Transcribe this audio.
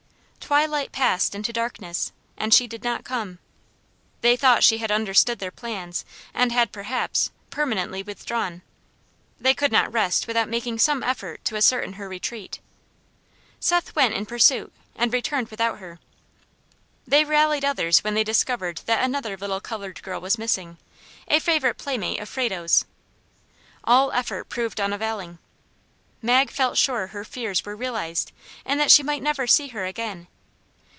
Twilight passed into darkness, and she did not come. They thought she had understood their plans, and had, perhaps, permanently withdrawn. They could not rest without making some effort to ascertain her retreat. Seth went in pursuit, and returned without her. They rallied others when they discovered that another little colored girl was missing, a favorite playmate of Frado's. All effort proved unavailing. Mag felt sure her fears were realized, and that she might never see her again.